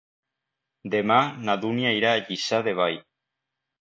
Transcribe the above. Demà na Dúnia irà a Lliçà de Vall.